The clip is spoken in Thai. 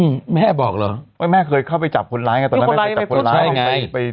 แม่บอกเหรอว่าแม่เคยเข้าไปจับคนร้ายไงตอนนั้นแม่เคยจับคนร้ายไง